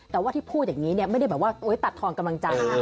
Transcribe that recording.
แต่ว่าที่พูดอย่างนี้ไม่ได้แบบว่าตัดทอนกำลังใจ